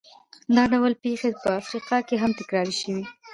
دا ډول پېښې په افریقا کې هم تکرار شوې.